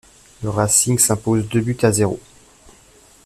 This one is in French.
Le Racing s'impose deux buts à zéro.